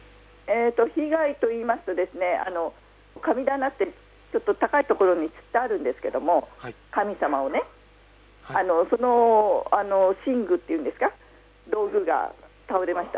被害といいますと、神棚ってちょっと高いところにつってあるんですけれども、神様をね、その神具というか、道具が倒れました。